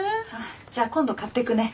じゃあ今度買ってくね。